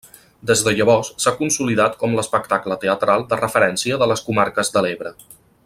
Des de llavors s’ha consolidat com l'espectacle teatral de referència de les comarques de l'Ebre.